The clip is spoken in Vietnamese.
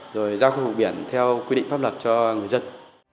rồi ra khu vực biển theo quy định pháp luật cho người dân